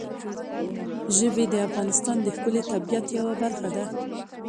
ژبې د افغانستان د ښکلي طبیعت یوه برخه ده.